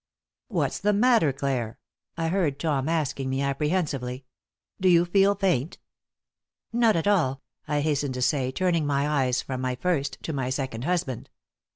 "What's the matter, Clare?" I heard Tom asking me, apprehensively. "Do you feel faint?" "Not at all," I hastened to say, turning my eyes from my first to my second husband.